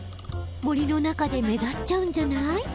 森の中で目立っちゃうんじゃない？